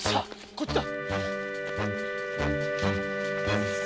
こっちだ！